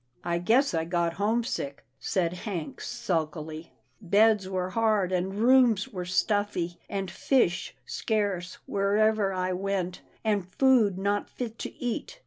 " I guess I got homesick," said Hank, sulkily, " beds were hard, and rooms were stuffy, and fish scarce wherever I went, and food not fit to eat.